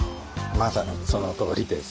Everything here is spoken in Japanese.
まさにそのとおりです。